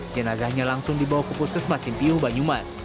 jenazahnya langsung dibawa kupus ke smasimpiu banyumas